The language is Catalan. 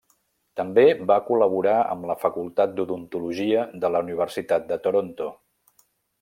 També va col·laborar amb la Facultat d'Odontologia de la Universitat de Toronto.